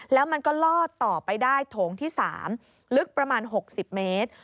แล้วมันก็ลอดต่อไปได้โถงที่๓ลึกประมาณ๖๐เมตร